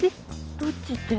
どっちって？